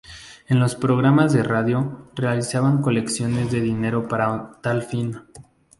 En los programas de radio realizaba recolecciones de dinero para tal fin.